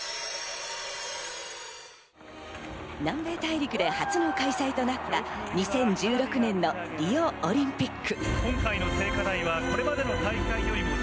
南米大陸で初の開催となった２０１６年のリオオリンピック。